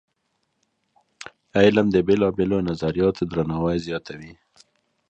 علم د بېلابېلو نظریاتو درناوی زیاتوي.